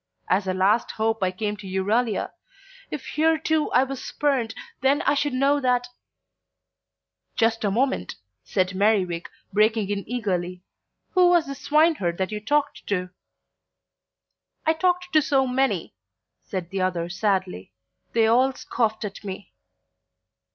As a last hope I came to Euralia; if here too I was spurned, then I should know that " "Just a moment," said Merriwig, breaking in eagerly. "Who was this swineherd that you talked to " "I talked to so many," said the other sadly. "They all scoffed at me."